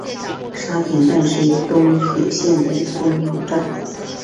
沙田站是东铁线的中途站。